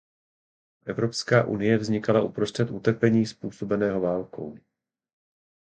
Evropská unie vznikala uprostřed utrpení způsobeného válkou.